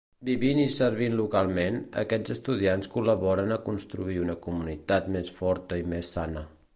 Vivint i servint localment, aquests estudiants col·laboren a construir una comunitat més forta i més sana.